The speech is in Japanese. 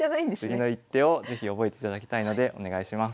次の一手を是非覚えていただきたいのでお願いします。